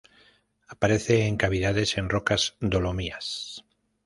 Aparece en cavidades en rocas dolomías.